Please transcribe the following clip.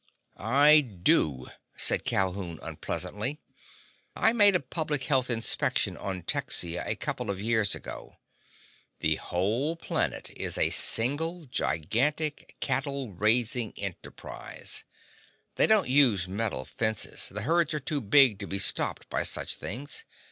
"I do," said Calhoun unpleasantly. "I made a public health inspection on Texia a couple of years ago. The whole planet is a single, gigantic, cattle raising enterprise. They don't use metal fences—the herds are too big to be stopped by such things.